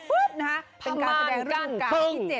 เป็นการแสดงรู้การ๒๗